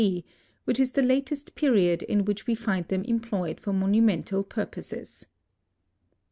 D., which is the latest period in which we find them employed for monumental purposes.